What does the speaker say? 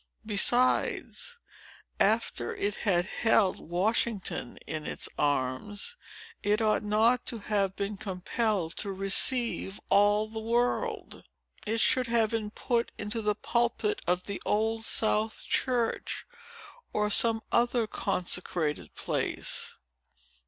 Besides, after it had held Washington in its arms, it ought not to have been compelled to receive all the world. It should have been put into the pulpit of the Old South Church, or some other consecrated place."